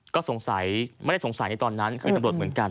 ก็สงสัยไม่ได้สงสัยในตอนนั้นคือตำรวจเหมือนกัน